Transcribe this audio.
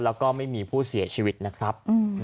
แล้วก็ไม่มีผู้เสียชีวิตนะครับ